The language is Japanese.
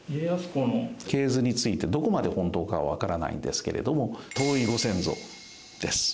系図についてどこまで本当かはわからないんですけれども遠いご先祖です。